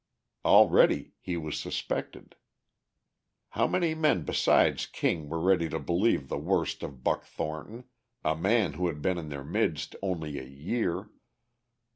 Already he was suspected. How many men besides King were ready to believe the worst of Buck Thornton, a man who had been in their midst only a year?